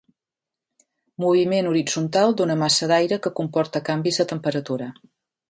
Moviment horitzontal d'una massa d'aire que comporta canvis de temperatura.